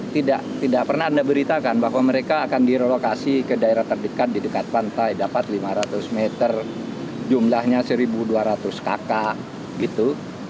tidak pernah anda beritakan bahwa mereka akan direlokasi ke daerah terdekat di dekat pantai dapat lima ratus meter jumlahnya satu dua ratus kakak gitu